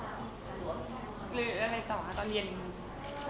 หรืออะไรต่อคะตอนเย็น